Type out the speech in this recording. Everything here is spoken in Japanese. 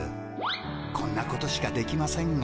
こんなことしかできませんが。